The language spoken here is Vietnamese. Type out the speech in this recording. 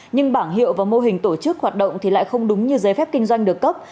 nhưng bảng hiệu và mô hình tổ chức hoạt động thì lại không đúng như giấy phép kinh doanh được cấp